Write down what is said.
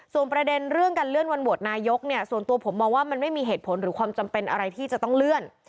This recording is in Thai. ส่วนประเด็นเรื่องการเลื่อนวันโหวตนายกเนี่ยส่วนตัวผมมองว่ามันไม่มีเหตุผลหรือความจำเป็นอะไรที่จะต้องเลื่อน